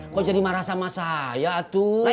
kok jadi marah sama saya tuh